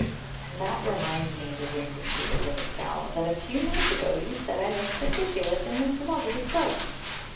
"And that reminds me," resumed the steward with a scowl, " that a few minutes ago you said I looked ridiculous in this lovely cloak."